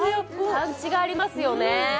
パンチがありますよね